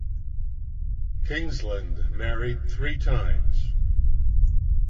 Kingsland married three times.